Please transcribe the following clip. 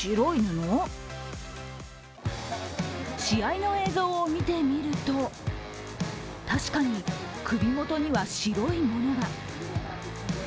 試合の映像を見てみると、確かに首元には白いものが。